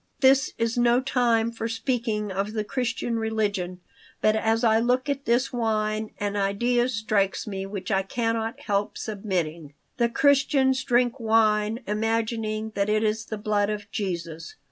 This is no time for speaking of the Christian religion, but as I look at this wine an idea strikes me which I cannot help submitting: The Christians drink wine, imagining that it is the blood of Jesus.